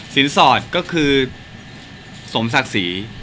สอดก็คือสมศักดิ์ศรี